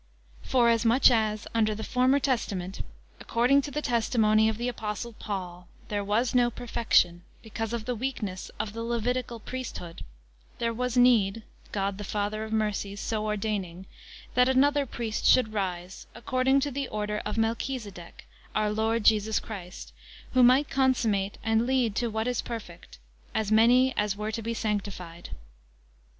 Forasmuch as, under the former Testament, according to the testimony of the Apostle Paul, there was no perfection, because of the weakness of the Levitical priesthood; there was need, God, the Father of mercies, so ordaining, that another priest should rise, according to the order of Melchisedech, our Lord Jesus Christ, who might consummate, and lead to what is perfect, as many as were to be sanctified.